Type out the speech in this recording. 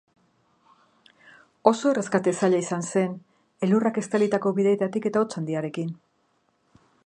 Oso erreskate zaila izan zen, elurrak estalitako bideetatik eta hotz handiarekin.